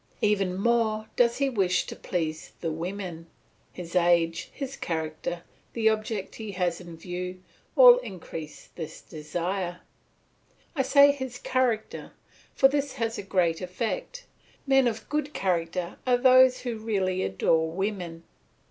Even more does he wish to please the women; his age, his character, the object he has in view, all increase this desire. I say his character, for this has a great effect; men of good character are those who really adore women.